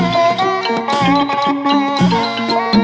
กลับมารับทราบ